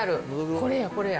これや、これや。